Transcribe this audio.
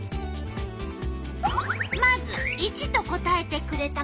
まず①と答えてくれた子。